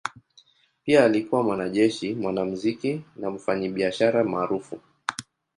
Pia alikuwa mwanajeshi, mwanamuziki na mfanyabiashara maarufu.